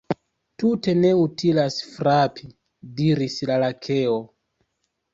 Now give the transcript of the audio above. "Tute ne utilas frapi," diris la Lakeo."